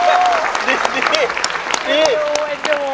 แอนดู